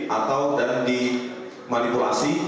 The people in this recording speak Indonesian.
atau dan dimanipulasi